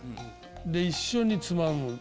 で一緒につまむ。